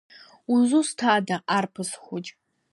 Узусҭада, арԥыс хәыҷ!